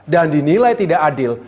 dan dinilai tidak adil